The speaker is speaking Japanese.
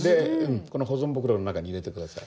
この保存袋の中に入れて下さい。